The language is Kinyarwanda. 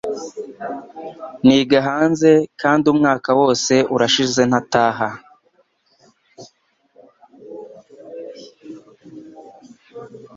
Niga hanze kandi umwaka wose urashize nta taha